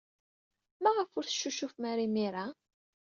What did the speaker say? Maɣef ur teccucufem ara imir-a?